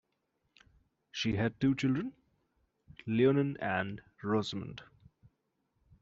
She had two children, Lionel and Rosamund.